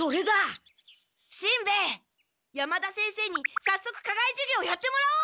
しんべヱ山田先生にさっそく課外授業やってもらおう！